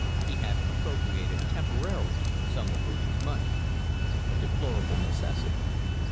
He had appropriated temporarily some of Hudig's money. A deplorable necessity.